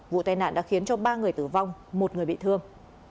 vụ tai nạn đã khiến cho ba người tử vong một người bị thương